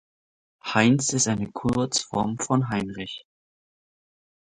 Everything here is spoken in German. Heinz ist eine Kurzform von Heinrich.